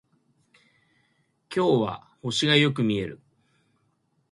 今日は星がよく見える